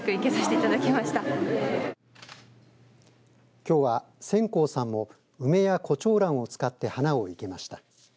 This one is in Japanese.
きょうは専好さんも梅やこちょうらんを使って花を生けました。